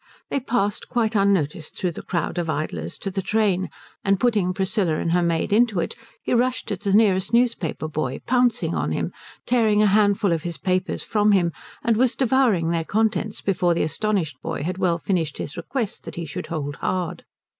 They passed quite unnoticed through the crowd of idlers to the train, and putting Priscilla and her maid into it he rushed at the nearest newspaper boy, pouncing on him, tearing a handful of his papers from him, and was devouring their contents before the astonished boy had well finished his request that he should hold hard.